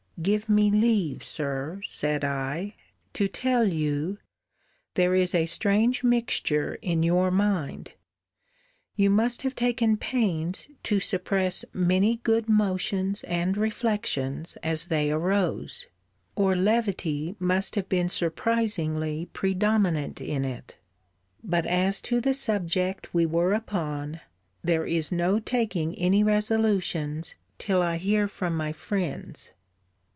Give me leave, Sir, said I, to tell you, there is a strange mixture in your mind. You must have taken pains to suppress many good motions and reflections as they arose, or levity must have been surprisingly predominant in it. But as to the subject we were upon, there is no taking any resolutions till I hear from my friends.